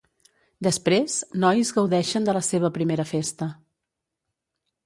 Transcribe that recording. Després, nois gaudeixen de la seva primera festa.